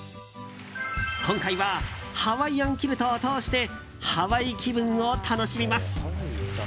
今回はハワイアンキルトをとおしてハワイ気分を楽しみます！